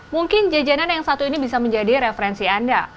mungkin jajanan yang satu ini bisa menjadi referensi anda